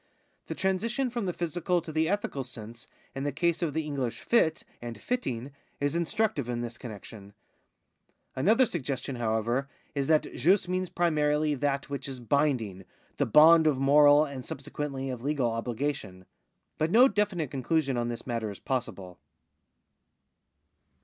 The transition from the physical to the ethical sense in the case of the English fd and fitting is instructive in this comiexion. Another suggestion, however, is that jus means primarily that which is binding — the bond of moral and subsequently of legal obhgation. But no definite conclusion on this matter is possible.'